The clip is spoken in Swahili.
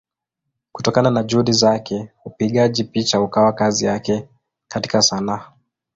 Kutokana na Juhudi zake upigaji picha ukawa kazi yake katika Sanaa.